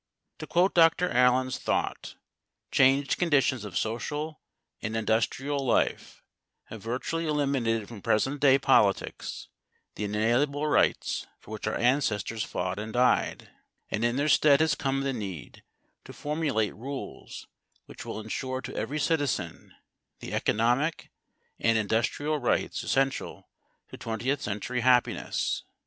To quote Dr. Allen's thought, changed conditions of social and industrial life have virtually eliminated from present day politics the inalienable rights for which our ancestors fought and died, and in their stead has come the need to formulate rules which will insure to every citizen the economic and industrial rights essential to twentieth century happiness.